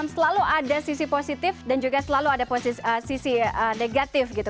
selalu ada sisi positif dan juga selalu ada sisi negatif gitu